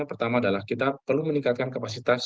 pertama adalah kita perlu meningkatkan kapasitas